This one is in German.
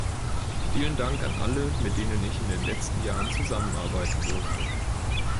Vielen Dank an alle, mit denen ich in den letzten Jahren zusammenarbeiten durfte!